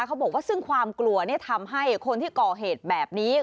เขาบอกว่าซึ่งความกลัวทำให้คนที่ก่อเหตุแบบนี้